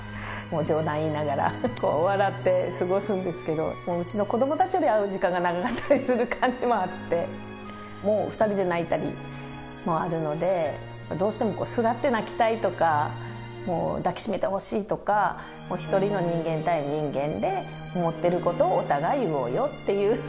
冗談言いながら、こう、笑って過ごすんですけど、うちの子どもたちより会う時間が長かったりする感じもあって、もう、２人で泣いたりもあるので、どうしてもすがって泣きたいとか、もう抱き締めてほしいとか、一人の人間対人間で思ってることをお互い言おうよっていう。